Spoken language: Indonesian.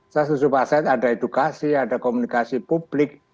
saya susupaset ada edukasi ada komunikasi publik